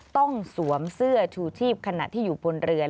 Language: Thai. สวมเสื้อชูชีพขณะที่อยู่บนเรือ